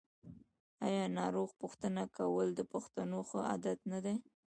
آیا ناروغ پوښتنه کول د پښتنو ښه عادت نه دی؟